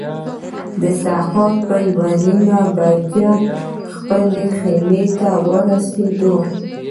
د سهار په یوه نیمه بجه خپلې خیمې ته ورسېدو.